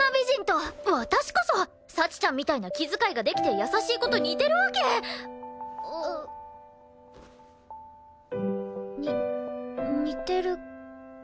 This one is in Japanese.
私こそ幸ちゃんみたいな気遣いができて優しい子と似てるわけ！に似てるかな？